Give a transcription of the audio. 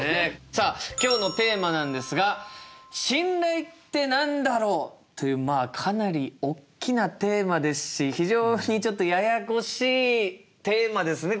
さあ今日のテーマなんですが「『信頼』って何だろう？」っていうかなりおっきなテーマですし非常にちょっとややこしいテーマですね